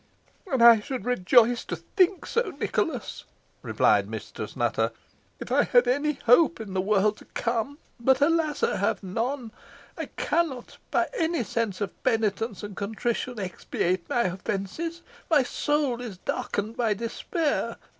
"And I should rejoice to think so, Nicholas," replied Mistress Nutter, "if I had any hope in the world to come. But, alas! I have none. I cannot, by any act of penitence and contrition, expiate my offences. My soul is darkened by despair.